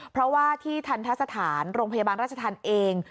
เพราะว่าที่ทันทะสถานโรงพยาบาลราชธรรมเอง